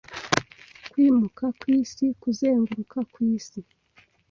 Kwimuka kwisi kuzenguruka kwisi